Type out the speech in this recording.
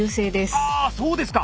あそうですか。